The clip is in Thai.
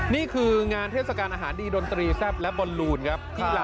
นี่คืองานเทศกาลอาหารดีดนตรีแซ่บบล